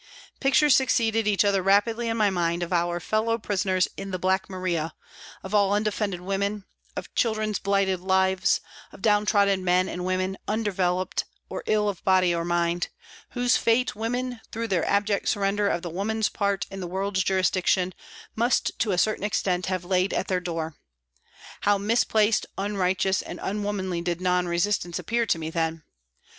Pictures succeeded each other rapidly in my mind of our fellow prisoners in the " Black Maria," of all undefended women, of children's blighted lives, of down trodden men and women, undeveloped or ill of body or mind, whose fate women, through their abject surrender of the woman's part in the world's jurisdiction, must to a certain extent have laid at their door. How misplaced, unrighteous and un womanly did non resistance appear to me then.